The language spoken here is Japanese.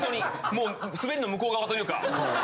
もうスベリの向こう側というか。